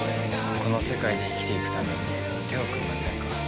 この世界で生きていくために手を組みませんか。